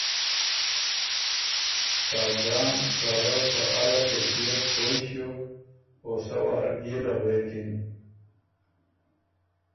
ساجان ته رۀ په اره کېفئت پویٛݭیوک او سۀ وار بيې له غوېکِن